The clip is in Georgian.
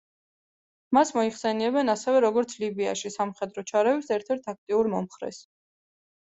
მას მოიხსენიებენ ასევე, როგორც ლიბიაში სამხედრო ჩარევის ერთ-ერთ აქტიურ მომხრეს.